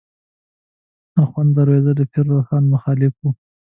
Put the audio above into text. آخوند دروېزه د پیر روښان مخالف و.